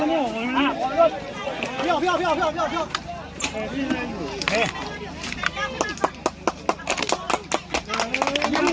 อันที่มันเพื่อน